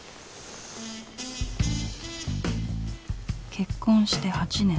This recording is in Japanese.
結婚して８年。